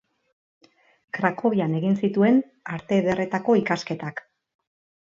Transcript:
Krakovian egin zituen Arte Ederretako ikasketak.